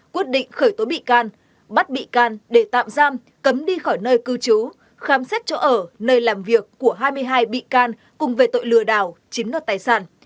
quyết định khởi tố bị can bắt bị can để tạm giam cấm đi khỏi nơi cư trú khám xét chỗ ở nơi làm việc của hai mươi hai bị can cùng về tội lừa đảo chiếm đoạt tài sản